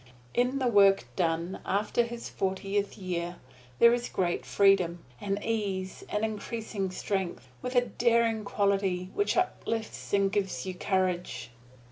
In the work done after his fortieth year there is greater freedom, an ease and an increased strength, with a daring quality which uplifts and gives you courage.